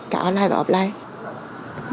cả online và offline